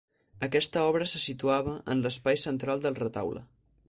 Aquesta obra se situava en l'espai central del retaule.